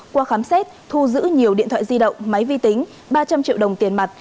qua khám xét thu giữ nhiều điện thoại di động máy vi tính ba trăm linh triệu đồng tiền mặt